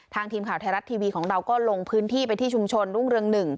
ทีมข่าวไทยรัฐทีวีของเราก็ลงพื้นที่ไปที่ชุมชนรุ่งเรือง๑